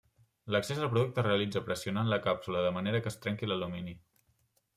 L'accés al producte es realitza pressionant la càpsula de manera que es trenqui l'alumini.